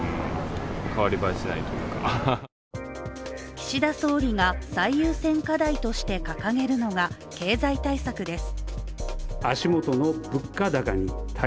岸田総理が最優先課題として掲げるのが経済対策です。